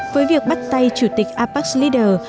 với việc bắt tay chủ tịch apacs leader